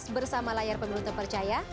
bersama layar pemilu terpercaya